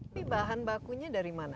tapi bahan bakunya dari mana